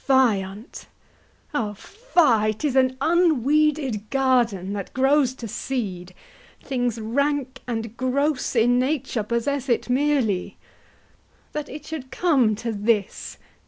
Fie on't! Oh fie! 'tis an unweeded garden That grows to seed; things rank and gross in nature Possess it merely. That it should come to this!